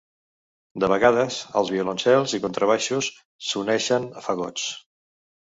De vegades, als violoncels i contrabaixos s'uneixen fagots.